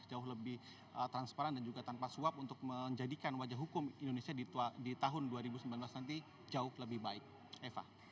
jauh lebih transparan dan juga tanpa suap untuk menjadikan wajah hukum indonesia di tahun dua ribu sembilan belas nanti jauh lebih baik eva